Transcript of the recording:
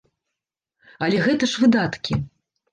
Але гэта ж выдаткі.